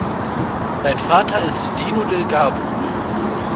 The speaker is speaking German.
Sein Vater ist Dino del Garbo.